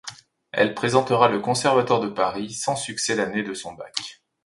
Elle présentera le Conservatoire de Paris sans succès l'année de son bac.